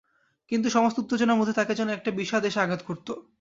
কিন্তু সমস্ত উত্তেজনার মধ্যে তাঁকে যেন একটা বিষাদ এসে আঘাত করত।